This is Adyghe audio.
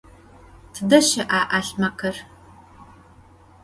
Tıde şı'a 'alhmekhır?